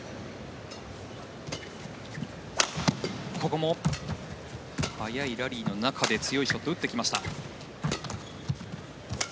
ここも速いラリーの中で強いショットを打ってきました。